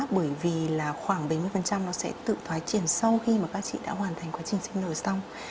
bởi vì là khoảng bảy mươi nó sẽ tự thoái triển sau khi mà các chị đã hoàn thành quá trình sinh nổi xong